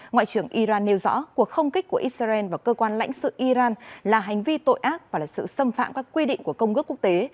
ngoại trưởng iran nêu rõ cuộc không kích của israel và cơ quan lãnh sự iran là hành vi tội ác và là sự xâm phạm các quy định của công ước quốc tế